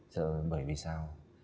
sợ bởi vì sao